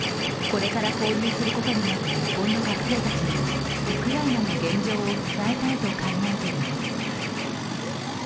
これから交流することになる日本の学生たちにウクライナの現状を伝えたいと考えています。